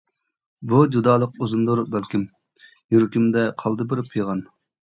بۇ جۇدالىق ئۇزۇندۇر بەلكىم؟ يۈرىكىمدە قالدى بىر پىغان.